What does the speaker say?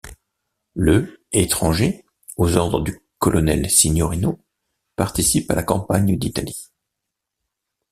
Le étranger, aux ordres du colonel Signorino, participe à la campagne d’Italie.